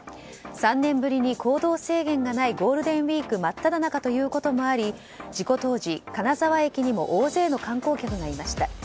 ３年ぶりに行動制限がないゴールデンウィーク真っただ中ということもあり事故当時、金沢駅にも大勢の観光客がいました。